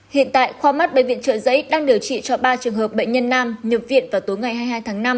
hiện tại khoa mắt bệnh viện trợ giấy đang điều trị cho ba trường hợp bệnh nhân nam nhập viện vào tối ngày hai mươi hai tháng năm